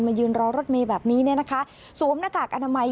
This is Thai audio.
ยืนรอรถเมย์แบบนี้เนี่ยนะคะสวมหน้ากากอนามัย